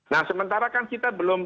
nah sementara kan kita belum